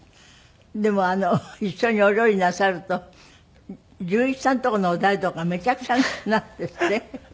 でも一緒にお料理なさると龍一さんのところのお台所がめちゃくちゃになるんですって？